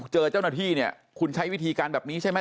เจ้าหน้าที่เนี่ยคุณใช้วิธีการแบบนี้ใช่ไหม